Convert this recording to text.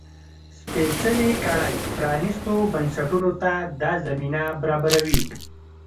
سپېڅلې کړۍ پرانيستو بنسټونو ته دا زمینه برابروي.